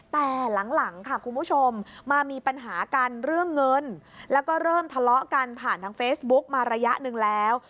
แต่หลังค่ะคุณผู้ชมมามีปัญหากันเรื่องเงินแล้วก็เริ่มทะเลาะกันผ่านทางเฟซบุ๊กมาระยะหนึ่งแล้ว